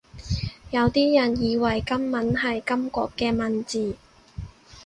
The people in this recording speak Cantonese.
有啲人以為金文係金國嘅文字